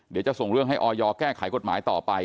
เดี๋ยวจะส่งเรื่องให้ออยแก้ไขกฎหมายต่อไป